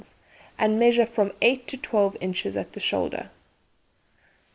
and measure from 8 to 12 inches at the shoulder.